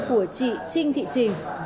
của chị trinh thị trình